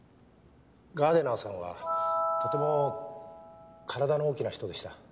ガーデナーさんはとても体の大きな人でした。